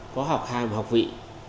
có học hàm học vị